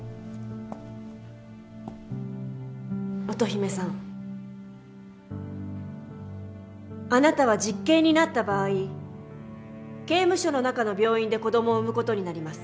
乙姫さんあなたは実刑になった場合刑務所の中の病院で子どもを産む事になります。